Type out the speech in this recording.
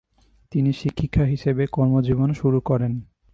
তিনি শিক্ষিকা হিসেবে কর্মজীবন শুরু করেন।